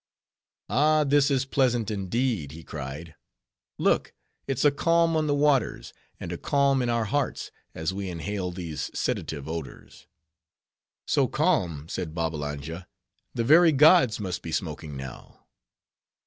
"Ah! this is pleasant indeed," he cried. "Look, it's a calm on the waters, and a calm in our hearts, as we inhale these sedative odors." "So calm," said Babbalanja; "the very gods must be smoking now."